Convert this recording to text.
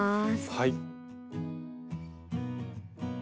はい。